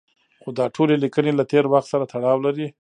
خو دا ټولې لیکنې له تېر وخت سره تړاو لري.